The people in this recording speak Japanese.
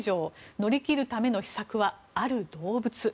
乗り切るための秘策はある動物。